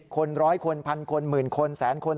๑๐คน๑๐๐คน๑๐๐๐คน๑๐๐๐๐คน๑๐๐๐๐๐คน๑๐๐๐๐๐๐คน